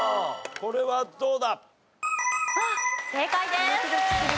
これはどうだ？